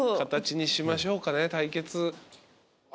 形にしましょうかね対決。